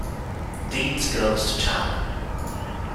Deeds Goes To Town".